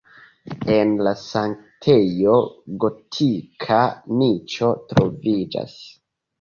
En la sanktejo gotika niĉo troviĝas.